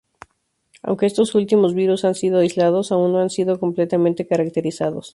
Aunque estos últimos virus han sido aislados, aún no han sido completamente caracterizados.